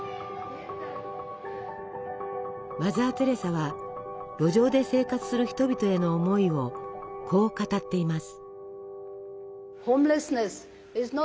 マザー・テレサは路上で生活する人々への思いをこう語っています。